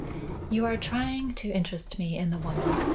"You are trying to interest me in the woman.